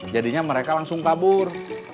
jadinya mereka langsung kabur